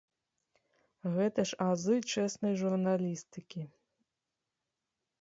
Гэта ж азы чэснай журналістыкі!